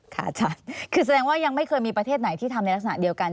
อาจารย์คือแสดงว่ายังไม่เคยมีประเทศไหนที่ทำในลักษณะเดียวกัน